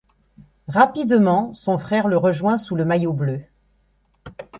Rapidement, son frère le rejoint sous le maillot bleu.